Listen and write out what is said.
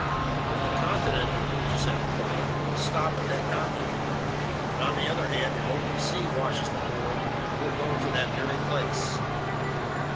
If a continent emerges at the pole, we'll stop at that continent. But on the other hand, if open sea washes the pole, we'll go to that very place!"